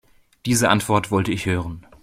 Diese Antwort wollte ich hören.